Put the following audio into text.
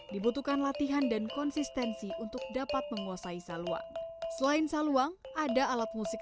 dibutuhkan latihan dan konsistensi untuk dapat menguasai saluang selain saluang ada alat musik